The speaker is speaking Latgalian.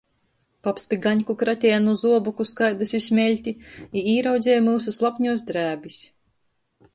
Paps pi gaņku krateja nu zuoboku skaidys i smeļti i īraudzeja myusu slapņuos drēbis.